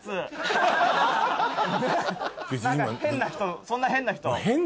何か変な人そんな変な人。